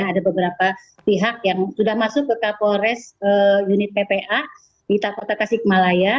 ada beberapa pihak yang sudah masuk ke kapolres unit ppa di kota tasik malaya